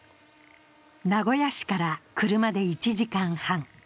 名古屋市から車で１時間半。